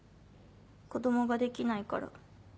子供ができないから。